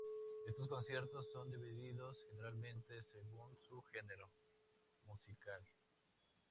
Estos conciertos son divididos generalmente según su genero musical.